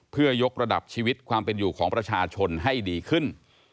เพื่อยกระดับชีวิตความเป็นอยู่ของประชาชนให้ดีขึ้น